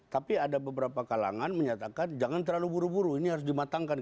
tapi ada beberapa kalangan menyatakan jangan terlalu buru buru ini harus dimatangkan